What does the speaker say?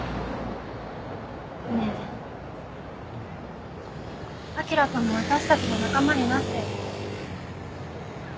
ねえあきら君も私たちの仲間になってよ。